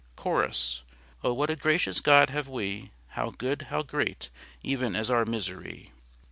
Chorus. O what a gracious God have we! How good! How great! Even as our misery.